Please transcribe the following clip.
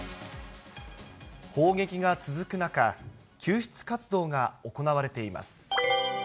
砲撃が続く中、救出活動が行われています。